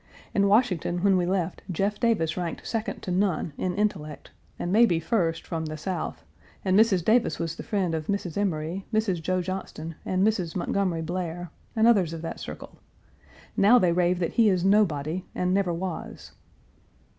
In Washington when we left, Jeff Davis ranked second to none, in intellect, and may be first, from the South, and Mrs. Davis was the friend of Mrs. Emory, Mrs. Joe Johnston, and Mrs. Montgomery Blair, and others of that circle. Now they rave that he is nobody, and never was."